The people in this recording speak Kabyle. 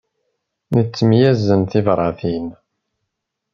Nettemyazen tibṛatin.